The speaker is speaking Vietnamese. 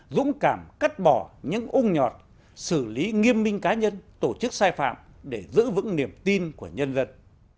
dũng cảm cắt bỏ những ung nhọt xử lý nghiêm minh cá nhân tổ chức sai phạm để giữ vững niềm tin của nhân dân